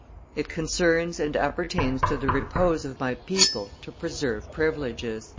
It concerns and appertains to the repose of my people to preserve privileges."